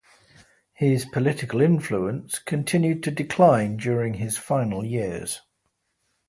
His political influence continued to decline during his final years.